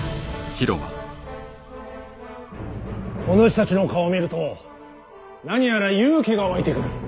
おぬしたちの顔を見ると何やら勇気が湧いてくる。